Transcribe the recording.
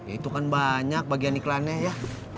itu kan banyak bagian iklannya ya